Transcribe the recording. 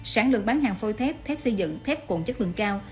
sản lượng bán hàng phôi thép thép xây dựng thép cồn chất lượng cao